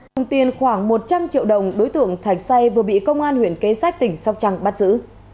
đồng tiền khoảng một trăm linh triệu đồng đối tượng thạch say vừa bị công an huyện kế sách tỉnh sóc trăng bắt giữ